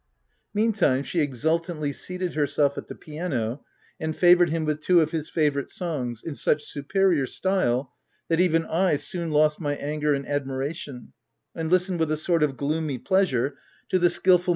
Meantime, she exultantly seated herself at the piano, and favoured him with two of his favourite songs, in such superior style that even I soon lost my anger in admiration, and listened with a sort of gloomy pleasure to the skilful OF WILDFELL HALL.